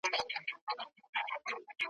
زه لکه سیوری بې اختیاره ځمه `